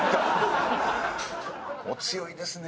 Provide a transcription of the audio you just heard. お強いですね！